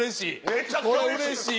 めちゃくちゃうれしい。